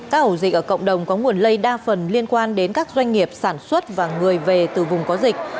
các ổ dịch ở cộng đồng có nguồn lây đa phần liên quan đến các doanh nghiệp sản xuất và người về từ vùng có dịch